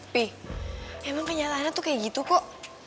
pih emang kenyataannya tuh kayak gitu kok